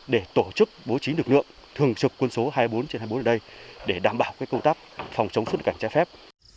để tổ chức bố trí lực lượng thường trực quân số hai mươi bốn trên hai mươi bốn ở đây để đảm bảo công tác phòng chống xuất cảnh trái phép